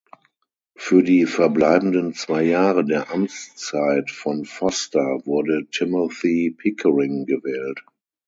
Für die verbleibenden zwei Jahre der Amtszeit von Foster wurde Timothy Pickering gewählt.